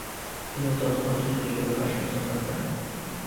তিনি অত্যন্ত কষ্ট সহ্য করে কাশ্মীর যাত্রা করেন।